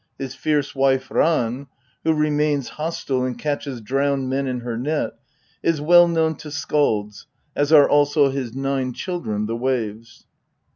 His fierce wife Ran, who rem^atuiostile and catches drowned men in her net, is well known to skald^tters^so his nine children, the waves.